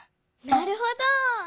なるほど！